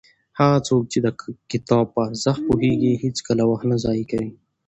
هغه څوک چې د کتاب په ارزښت پوهېږي هېڅکله وخت نه ضایع کوي.